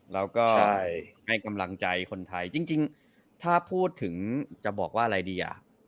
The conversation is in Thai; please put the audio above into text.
แล้วก็ให้กำลังใจคนไทยจริงถ้าพูดถึงจะบอกว่าอะไรดีอ่ะ